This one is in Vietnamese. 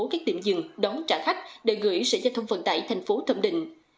các điểm dừng đón trả khách để gửi sở giao thông vận tải thành phố thẩm định